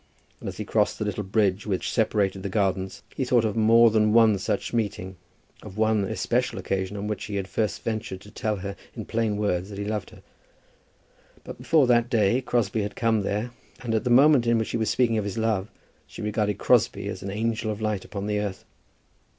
And as he crossed the little bridge which separated the gardens he thought of more than one such meeting, of one especial occasion on which he had first ventured to tell her in plain words that he loved her. But before that day Crosbie had come there, and at the moment in which he was speaking of his love she regarded Crosbie as an angel of light upon the earth.